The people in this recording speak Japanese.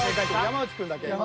山内だけ。